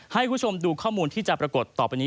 ให้คุณผู้ชมดูข้อมูลที่จะปรากฏต่อไปนี้